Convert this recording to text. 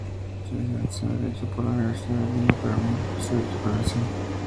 Se licenció en Derecho por la Universidad de Lima, pero nunca ejerció dicha profesión.